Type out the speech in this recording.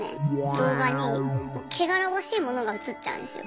動画に汚らわしいモノが映っちゃうんですよ。